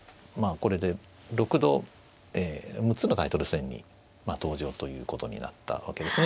これで６度ええ６つのタイトル戦にまあ登場ということになったわけですね。